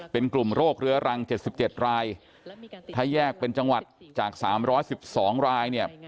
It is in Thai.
เป็นกลุ่มโรคเรื้อรัง๗๗รายถ้าแยกเป็นจังหวัดจาก๓๑๒รายเนี่ย